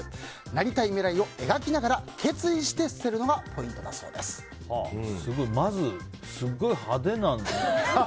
なりたい未来を描きながら決意して捨てるのがまず、すごい派手なんだね。